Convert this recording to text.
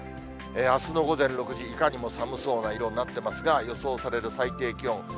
あすの午前６時、いかにも寒そうな色になってますが、予想される最低気温。